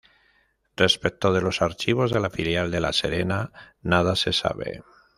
Respecto de los archivos de la filial de La Serena, nada se sabe.